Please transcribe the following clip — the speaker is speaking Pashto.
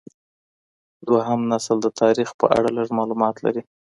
دویم نسل د تاریخ په اړه لږ معلومات لري.